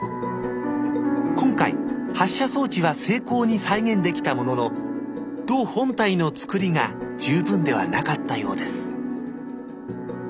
今回発射装置は精巧に再現できたものの弩本体のつくりが十分ではなかったようです